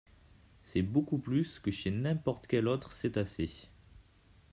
C'est beaucoup plus que chez n'importe quel autre cétacé.